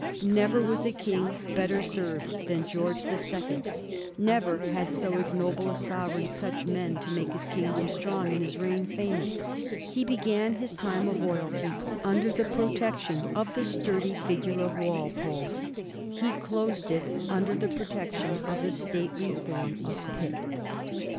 Never was a king better served than George the Sec ond I never had so ignoble a sovereign such men to make his kingdom strong and his reign famous. He began his time of royalty under the protection of the sturdy figure of Walpole ; he closed it under the protection of the stately form of Pitt.